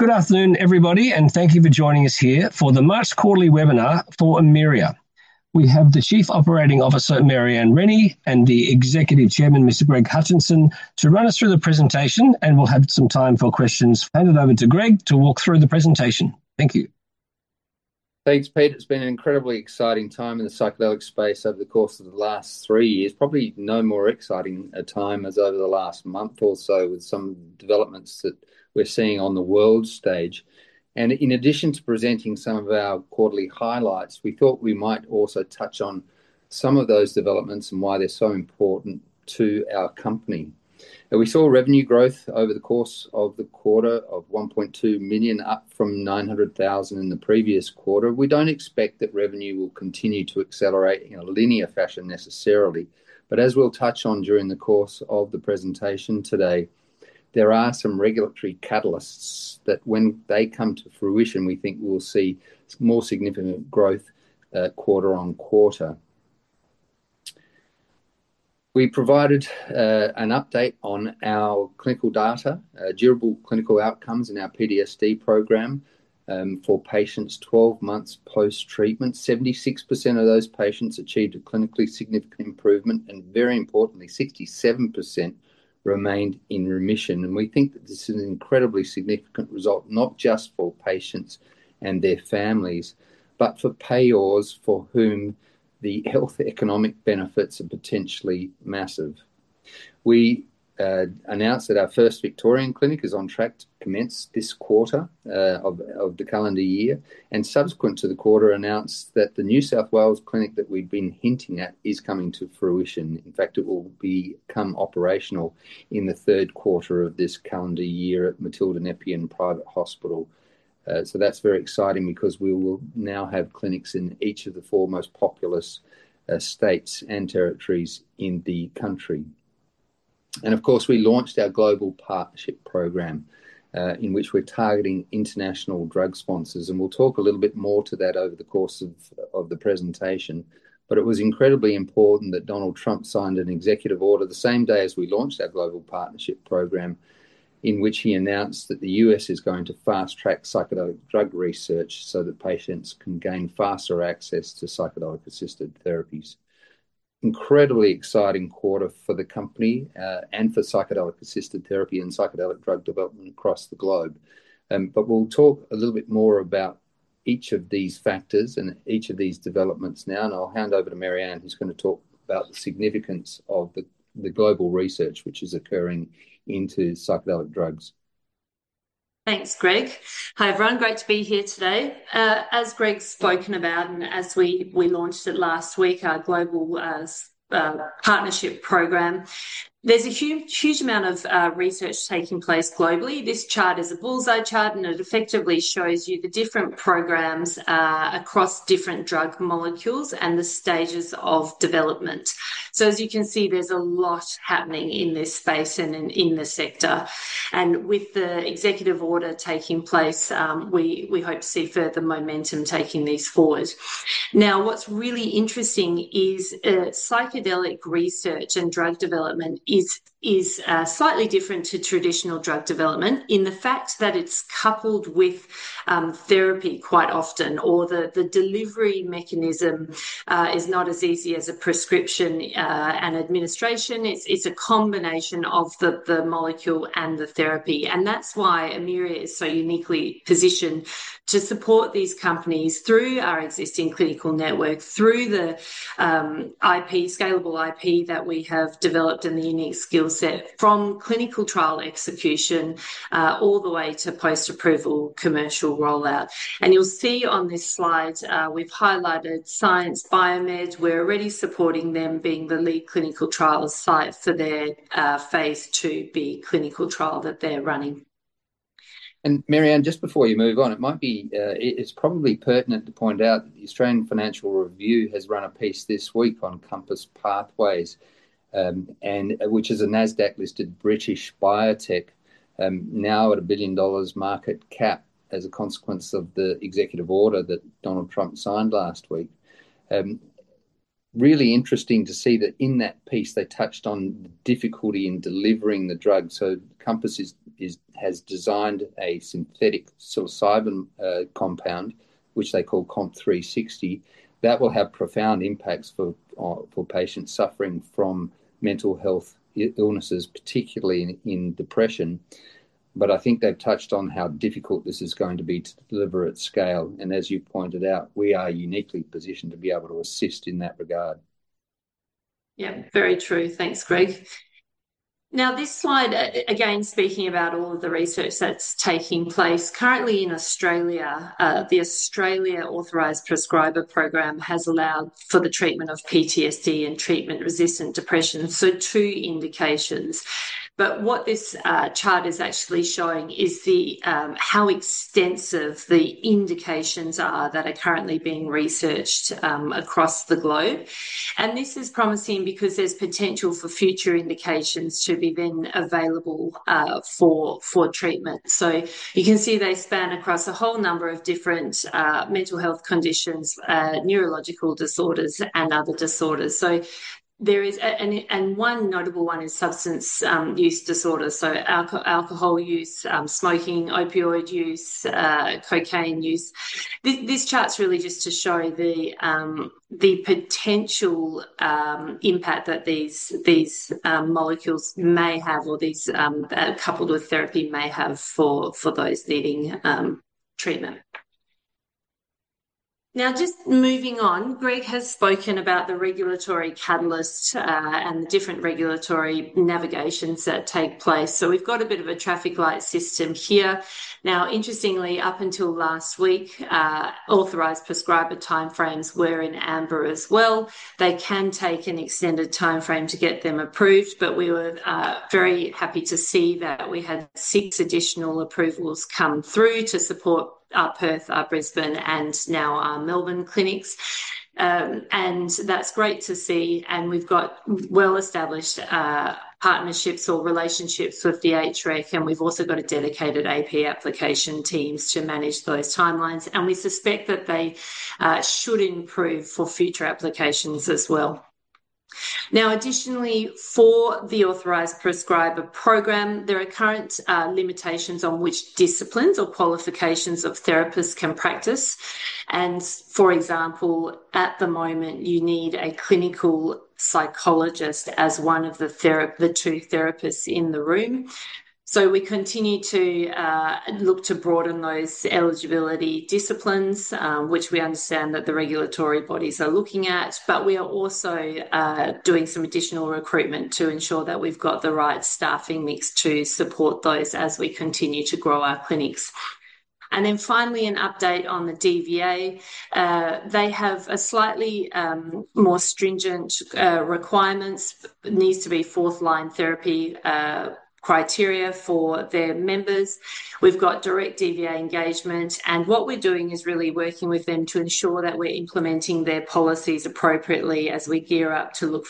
Good afternoon, everybody, thank you for joining us here for the March quarterly webinar for Emyria. We have the Chief Operating Officer, Mary-Ann Rennie, and the Executive Chairman, Mr. Greg Hutchinson, to run us through the presentation, and we'll have some time for questions. Hand it over to Greg to walk through the presentation. Thank you. Thanks, Pete. It's been an incredibly exciting time in the psychedelic space over the course of the last three years, probably no more exciting a time as over the last month or so with some developments that we're seeing on the world stage. In addition to presenting some of our quarterly highlights, we thought we might also touch on some of those developments and why they're so important to our company. We saw revenue growth over the course of the quarter of 1.2 million, up from 900,000 in the previous quarter. We don't expect that revenue will continue to accelerate in a linear fashion necessarily, but as we'll touch on during the course of the presentation today, there are some regulatory catalysts that when they come to fruition, we think we'll see more significant growth quarter on quarter. We provided an update on our clinical data, durable clinical outcomes in our PTSD program, for patients 12 months post-treatment. 76% of those patients achieved a clinically significant improvement, and very importantly, 67% remained in remission. We think that this is an incredibly significant result, not just for patients and their families, but for payers for whom the health economic benefits are potentially massive. We announced that our first Victorian clinic is on track to commence this quarter of the calendar year. Subsequent to the quarter announced that the New South Wales clinic that we've been hinting at is coming to fruition. In fact, it will become operational in the third quarter of this calendar year at Matilda Nepean Private Hospital. That's very exciting because we will now have clinics in each of the four most populous states and territories in the country. Of course, we launched our Global Partnership Program, in which we're targeting international drug sponsors, and we'll talk a little bit more to that over the course of the presentation. It was incredibly important that Donald Trump signed an executive order the same day as we launched our Global Partnership Program, in which he announced that the U.S. is going to fast-track psychedelic drug research so that patients can gain faster access to psychedelic-assisted therapies. Incredibly exciting quarter for the company, and for psychedelic-assisted therapy and psychedelic drug development across the globe. We'll talk a little bit more about each of these factors and each of these developments now, and I'll hand over to Mary-Ann, who's going to talk about the significance of the global research which is occurring into psychedelic drugs. Thanks, Greg. Hi, everyone. Great to be here today. As Greg's spoken about and as we launched it last week, our Global Partnership Program. There's a huge amount of research taking place globally. This chart is a bullseye chart, and it effectively shows you the different programs across different drug molecules and the stages of development. As you can see, there's a lot happening in this space and in the sector. With the executive order taking place, we hope to see further momentum taking these forward. What's really interesting is psychedelic research and drug development is slightly different to traditional drug development in the fact that it's coupled with therapy quite often, or the delivery mechanism is not as easy as a prescription and administration. It's a combination of the molecule and the therapy. That's why Emyria is so uniquely positioned to support these companies through our existing clinical network, through the scalable IP that we have developed and the unique skill set from clinical trial execution, all the way to post-approval commercial rollout. You'll see on this slide, we've highlighted Psyence Group. We're already supporting them being the lead clinical trials site for their phase IIb clinical trial that they're running. Mary-Ann, just before you move on, it's probably pertinent to point out that the Australian Financial Review has run a piece this week on Compass Pathways, which is a Nasdaq-listed British biotech, now at 1 billion dollars market cap as a consequence of the executive order that Donald Trump signed last week. Really interesting to see that in that piece, they touched on the difficulty in delivering the drug. Compass has designed a synthetic psilocybin compound, which they call COMP360, that will have profound impacts for patients suffering from mental health illnesses, particularly in depression. I think they've touched on how difficult this is going to be to deliver at scale. As you pointed out, we are uniquely positioned to be able to assist in that regard. Yeah. Very true. Thanks, Greg. Now, this slide, again, speaking about all of the research that's taking place. Currently in Australia, the Australian Authorised Prescriber program has allowed for the treatment of PTSD and treatment-resistant depression, so two indications. What this chart is actually showing is how extensive the indications are that are currently being researched across the globe. This is promising because there's potential for future indications to be then available for treatment. You can see they span across a whole number of different mental health conditions, neurological disorders, and other disorders. One notable one is substance use disorder, so alcohol use, smoking, opioid use, cocaine use. This chart's really just to show the potential impact that these molecules may have, or these, coupled with therapy may have for those needing treatment. Just moving on, Greg has spoken about the regulatory catalyst, and the different regulatory navigations that take place. We've got a bit of a traffic light system here. Interestingly, up until last week, Authorised Prescriber time frames were in amber as well. They can take an extended time frame to get them approved, but we were very happy to see that we had six additional approvals come through to support our Perth, our Brisbane, and now our Melbourne clinics. That's great to see. We've got well-established partnerships or relationships with the HREC, and we've also got dedicated AP application teams to manage those timelines. We suspect that they should improve for future applications as well. Additionally, for the Authorised Prescriber program, there are current limitations on which disciplines or qualifications of therapists can practice. For example, at the moment, you need a clinical psychologist as one of the two therapists in the room. We continue to look to broaden those eligibility disciplines, which we understand that the regulatory bodies are looking at. We are also doing some additional recruitment to ensure that we've got the right staffing mix to support those as we continue to grow our clinics. Finally, an update on the DVA. They have slightly more stringent requirements, needs to be fourth-line therapy criteria for their members. We've got direct DVA engagement, and what we're doing is really working with them to ensure that we're implementing their policies appropriately as we gear up to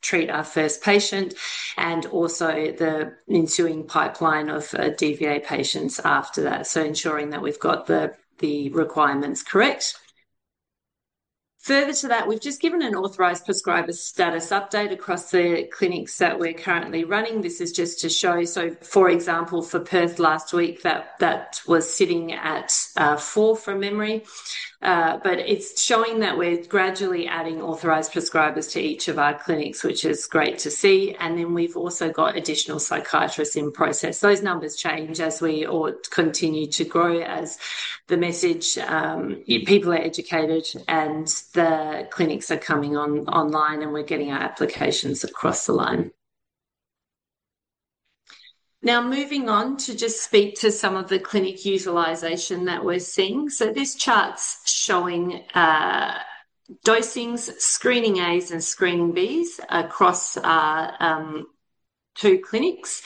treat our first patient, and also the ensuing pipeline of DVA patients after that. Ensuring that we've got the requirements correct. Further to that, we've just given an Authorised Prescriber status update across the clinics that we're currently running. This is just to show. For example, for Perth last week, that was sitting at four from memory. It's showing that we're gradually adding Authorised Prescribers to each of our clinics, which is great to see. We've also got additional psychiatrists in process. Those numbers change as we continue to grow, as people are educated, and the clinics are coming online, and we're getting our applications across the line. Moving on to just speak to some of the clinic utilization that we're seeing. This chart's showing dosings, screening As and screening Bs across our two clinics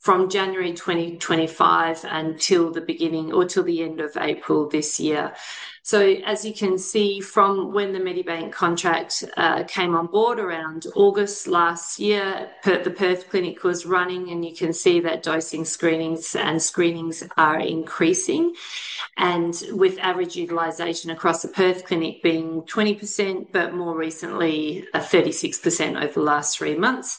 from January 2025 until the end of April this year. As you can see from when the Medibank contract came on board around August last year, the Perth clinic was running, and you can see that dosing screenings and screenings are increasing. With average utilization across the Perth clinic being 20%, but more recently, 36% over the last three months.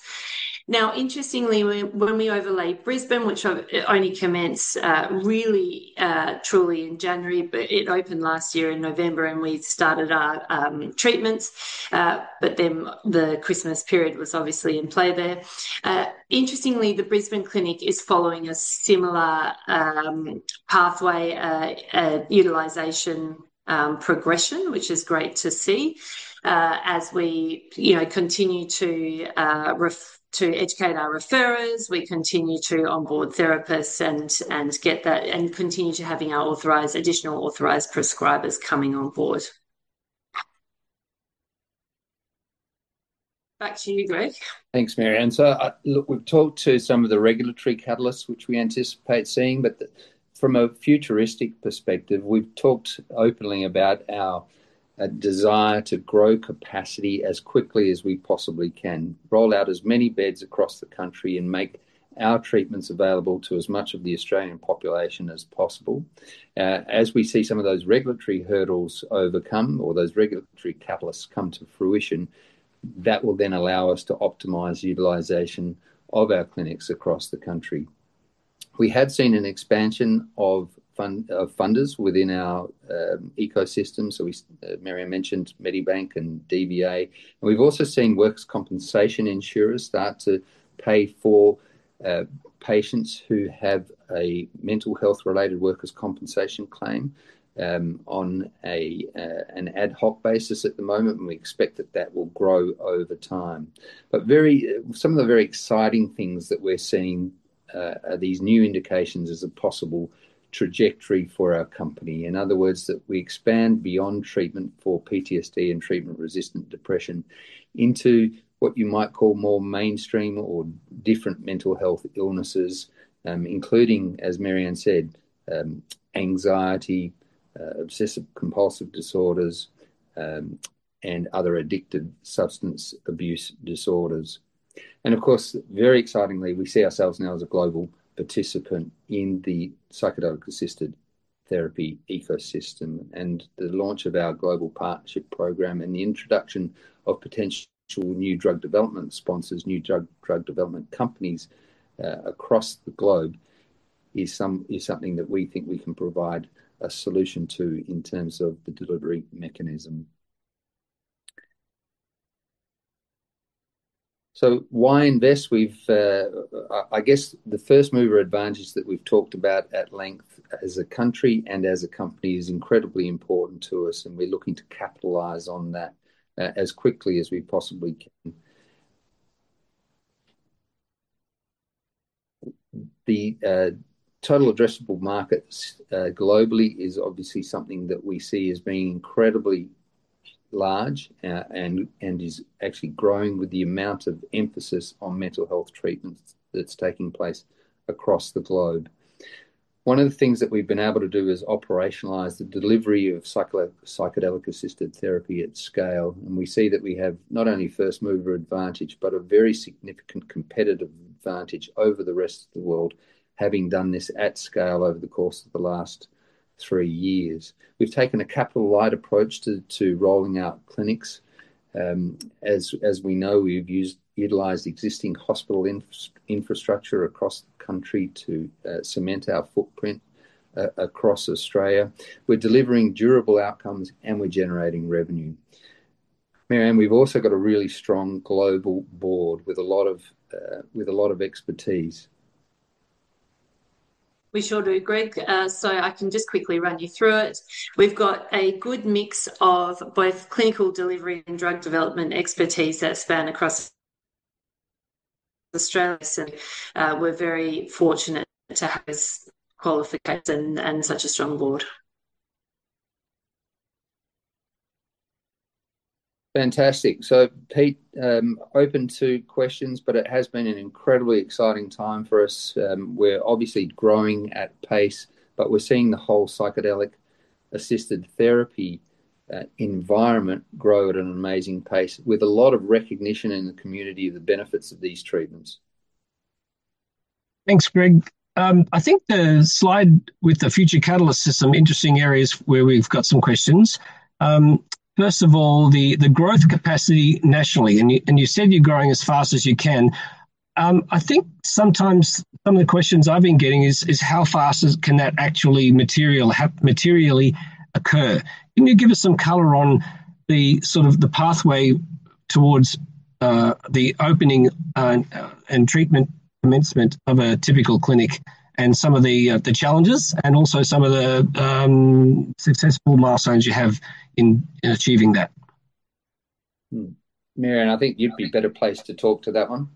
Interestingly, when we overlay Brisbane, which only commenced really truly in January, but it opened last year in November, and we started our treatments. The Christmas period was obviously in play there. Interestingly, the Brisbane clinic is following a similar pathway utilization progression, which is great to see. As we continue to educate our referrers, we continue to onboard therapists, and continue to having our additional Authorized Prescribers coming on board. Back to you, Greg. Thanks, Mary. Look, we've talked to some of the regulatory catalysts which we anticipate seeing, but from a futuristic perspective, we've talked openly about our desire to grow capacity as quickly as we possibly can, roll out as many beds across the country, and make our treatments available to as much of the Australian population as possible. As we see some of those regulatory hurdles overcome or those regulatory catalysts come to fruition, that will then allow us to optimize utilization of our clinics across the country. We have seen an expansion of funders within our ecosystem. Mary mentioned Medibank and DVA. We've also seen workers' compensation insurers start to pay for patients who have a mental health-related workers' compensation claim, on an ad hoc basis at the moment, and we expect that that will grow over time. Some of the very exciting things that we're seeing these new indications as a possible trajectory for our company. In other words, that we expand beyond treatment for PTSD and treatment-resistant depression into what you might call more mainstream or different mental health illnesses, including, as Mary-Ann said, anxiety, obsessive-compulsive disorders, and other addictive substance use disorders. Of course, very excitingly, we see ourselves now as a global participant in the psychedelic-assisted therapy ecosystem. The launch of our Empax Global Partnership Program and the introduction of potential new drug development sponsors, new drug development companies across the globe is something that we think we can provide a solution to in terms of the delivery mechanism. Why invest? I guess the first mover advantage that we've talked about at length as a country and as a company is incredibly important to us, and we're looking to capitalize on that as quickly as we possibly can. The total addressable markets globally is obviously something that we see as being incredibly large, and is actually growing with the amount of emphasis on mental health treatments that's taking place across the globe. One of the things that we've been able to do is operationalize the delivery of psychedelic-assisted therapy at scale, and we see that we have not only first mover advantage, but a very significant competitive advantage over the rest of the world, having done this at scale over the course of the last three years. We've taken a capital light approach to rolling out clinics. As we know, we've utilized existing hospital infrastructure across the country to cement our footprint across Australia. We're delivering durable outcomes, and we're generating revenue. Mary-Ann, we've also got a really strong global board with a lot of expertise. We sure do, Greg. I can just quickly run you through it. We've got a good mix of both clinical delivery and drug development expertise that span across Australia. We're very fortunate to have this qualification and such a strong board. Fantastic. Pete, open to questions, but it has been an incredibly exciting time for us. We're obviously growing at pace, but we're seeing the whole psychedelic assisted therapy environment grow at an amazing pace with a lot of recognition in the community of the benefits of these treatments. Thanks, Greg. I think the slide with the future catalyst is some interesting areas where we've got some questions. First of all, the growth capacity nationally. You said you're growing as fast as you can. I think sometimes some of the questions I've been getting is, how fast can that actually materially occur? Can you give us some color on the sort of the pathway towards the opening and treatment commencement of a typical clinic and some of the challenges and also some of the successful milestones you have in achieving that? Mary-Ann, I think you'd be better placed to talk to that one.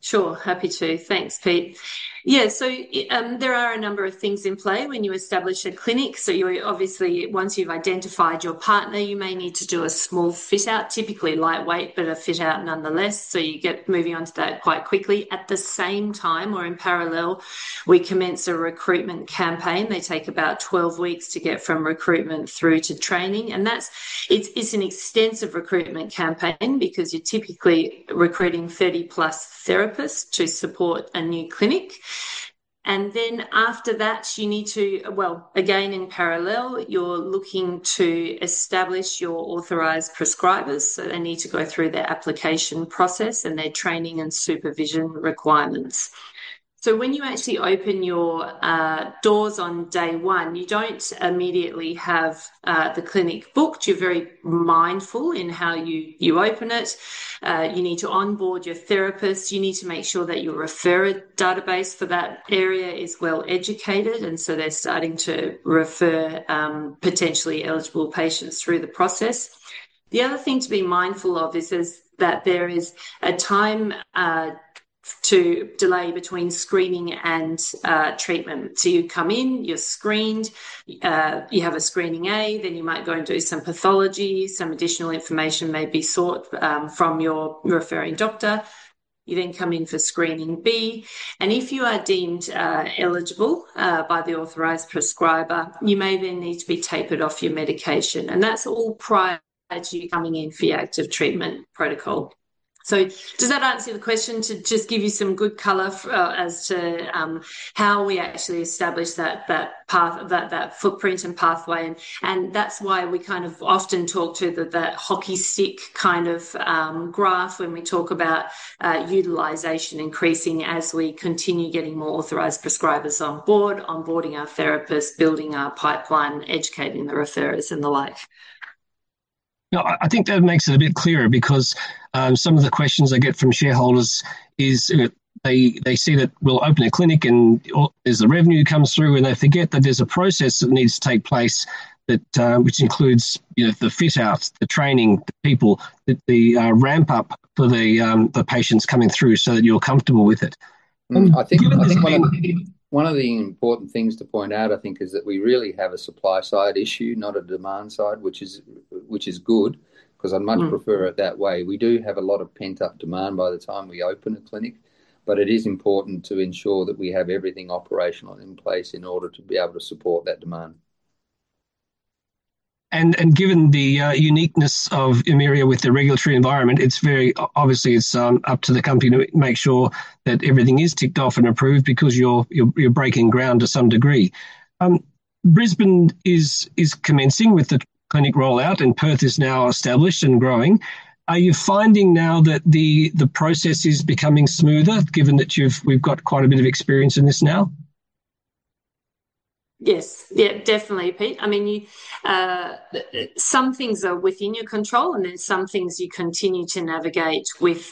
Sure. Happy to. Thanks, Pete. There are a number of things in play when you establish a clinic. Obviously once you've identified your partner, you may need to do a small fit out, typically lightweight, but a fit out nonetheless. You get moving onto that quite quickly. At the same time, or in parallel, we commence a recruitment campaign. They take about 12 weeks to get from recruitment through to training, and it's an extensive recruitment campaign because you're typically recruiting 30+ therapists to support a new clinic. After that, you need to, well, again, in parallel, you're looking to establish your Authorised Prescribers. They need to go through their application process and their training and supervision requirements. When you actually open your doors on day one, you don't immediately have the clinic booked. You're very mindful in how you open it. You need to onboard your therapist. You need to make sure that your referrer database for that area is well educated, and so they're starting to refer potentially eligible patients through the process. The other thing to be mindful of is that there is a time to delay between screening and treatment. You come in, you're screened, you have a screening A, then you might go and do some pathology, some additional information may be sought from your referring doctor. You then come in for screening B, and if you are deemed eligible by the Authorised Prescriber, you may then need to be tapered off your medication, and that's all prior to you coming in for your active treatment protocol. Does that answer the question to just give you some good color as to how we actually establish that footprint and pathway and that's why we kind of often talk to the hockey stick kind of graph when we talk about utilization increasing as we continue getting more authorized prescribers on board, onboarding our therapists, building our pipeline, educating the referrers and the like. No, I think that makes it a bit clearer because some of the questions I get from shareholders is they see that we'll open a clinic and all, there's the revenue comes through and they forget that there's a process that needs to take place that which includes the fit outs, the training, the people that the ramp up for the patients coming through so that you're comfortable with it. I think one of the important things to point out, I think, is that we really have a supply side issue, not a demand side. Which is good because I much prefer it that way. We do have a lot of pent-up demand by the time we open a clinic, but it is important to ensure that we have everything operational and in place in order to be able to support that demand. Given the uniqueness of Emyria with the regulatory environment, obviously it's up to the company to make sure that everything is ticked off and approved because you're breaking ground to some degree. Brisbane is commencing with the clinic rollout and Perth is now established and growing. Are you finding now that the process is becoming smoother given that we've got quite a bit of experience in this now? Yes. Definitely, Pete. Some things are within your control and then some things you continue to navigate with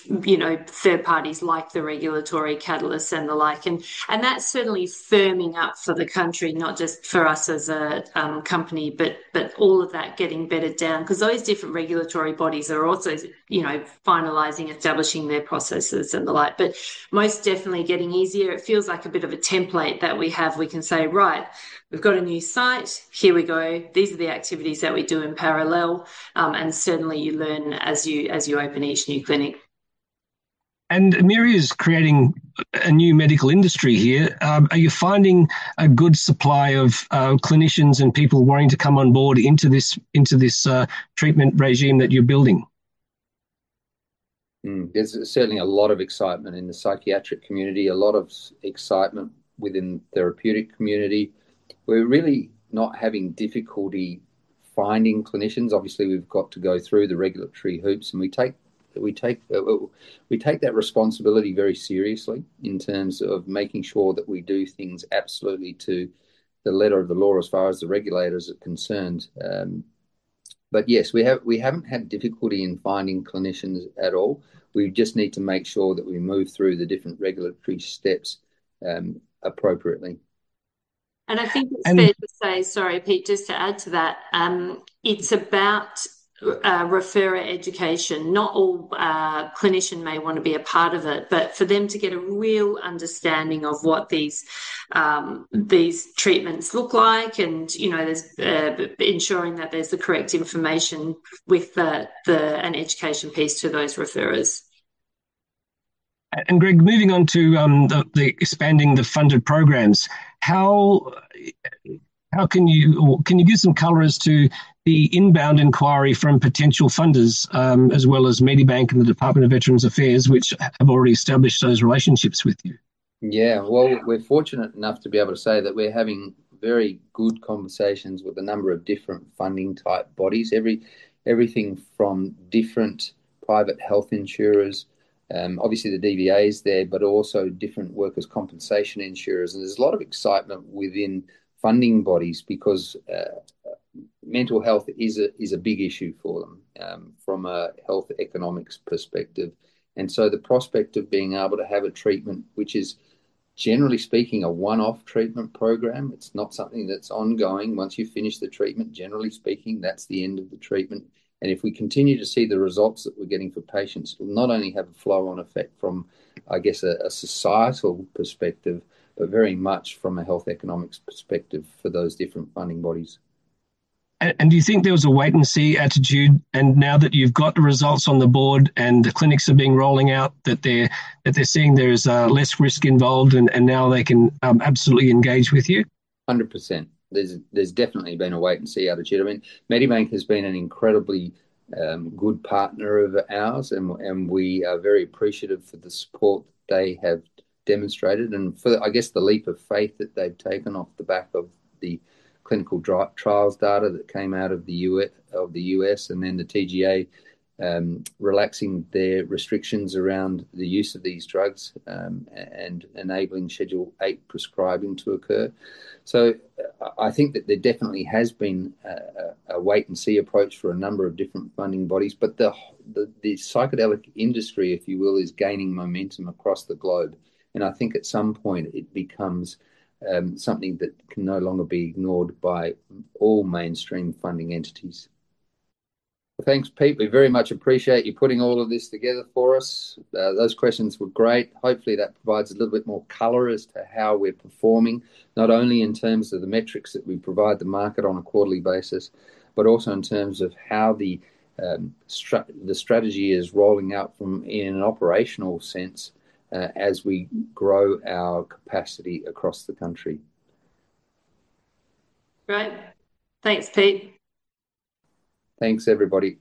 third parties like the regulatory catalysts and the like. That's certainly firming up for the country, not just for us as a company, but all of that getting bedded down. All these different regulatory bodies are also finalizing, establishing their processes and the like. Most definitely getting easier. It feels like a bit of a template that we have. We can say, "Right, we've got a new site. Here we go. These are the activities that we do in parallel." Certainly you learn as you open each new clinic. Emyria's creating a new medical industry here. Are you finding a good supply of clinicians and people wanting to come on board into this treatment regime that you're building? There's certainly a lot of excitement in the psychiatric community, a lot of excitement within the therapeutic community. We're really not having difficulty finding clinicians. Obviously, we've got to go through the regulatory hoops and we take that responsibility very seriously in terms of making sure that we do things absolutely to the letter of the law as far as the regulators are concerned. Yes, we haven't had difficulty in finding clinicians at all. We just need to make sure that we move through the different regulatory steps appropriately. I think it's fair to say, sorry Pete, just to add to that, it's about referrer education. Not all clinicians may want to be a part of it, but for them to get a real understanding of what these treatments look like and ensuring that there's the correct information with an education piece to those referrers. Greg, moving on to expanding the funded programs. Can you give some color as to the inbound inquiry from potential funders, as well as Medibank and the Department of Veterans' Affairs, which have already established those relationships with you? Yeah. Well, we're fortunate enough to be able to say that we're having very good conversations with a number of different funding type bodies. Everything from different private health insurers, obviously the DVA is there. Also different workers' compensation insurers. There's a lot of excitement within funding bodies because mental health is a big issue for them from a health economics perspective. The prospect of being able to have a treatment which is generally speaking a one-off treatment program, it's not something that's ongoing. Once you finish the treatment, generally speaking, that's the end of the treatment. If we continue to see the results that we're getting for patients, it will not only have a flow on effect from, I guess, a societal perspective, but very much from a health economics perspective for those different funding bodies. Do you think there was a wait and see attitude, and now that you've got the results on the board and the clinics have been rolling out, that they're seeing there's less risk involved and now they can absolutely engage with you? 100%. There's definitely been a wait and see attitude. Medibank has been an incredibly good partner of ours and we are very appreciative for the support they have demonstrated and for, I guess, the leap of faith that they've taken off the back of the clinical trials data that came out of the U.S. and then the TGA relaxing their restrictions around the use of these drugs and enabling Schedule 8 prescribing to occur. I think that there definitely has been a wait and see approach for a number of different funding bodies. The psychedelic industry, if you will, is gaining momentum across the globe. I think at some point it becomes something that can no longer be ignored by all mainstream funding entities. Thanks, Pete. We very much appreciate you putting all of this together for us. Those questions were great. Hopefully that provides a little bit more color as to how we're performing, not only in terms of the metrics that we provide the market on a quarterly basis, but also in terms of how the strategy is rolling out in an operational sense as we grow our capacity across the country. Great. Thanks, Pete. Thanks, everybody.